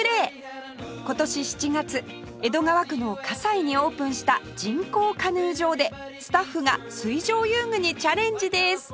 今年７月江戸川区の西にオープンした人工カヌー場でスタッフが水上遊具にチャレンジです